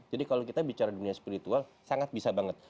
jadi kalau kita bicara dunia spiritual sangat bisa banget